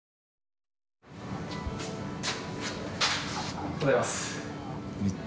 おはようございます。